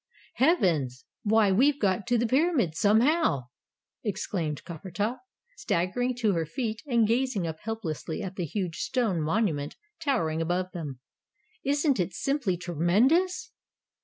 "Heavens! Why, we've got to the Pyramids, somehow!" exclaimed Coppertop, staggering to her feet and gazing up helplessly at the huge stone monument towering above them. "Isn't it simply tremendous?"